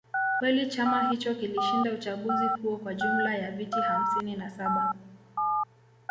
kweli chama hicho kilishinda uchaguzi huo kwa jumla ya viti hamsini na saba